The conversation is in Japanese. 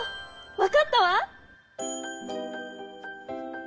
わかったわ！